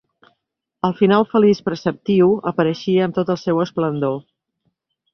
El final feliç preceptiu apareixia amb tot el seu esplendor.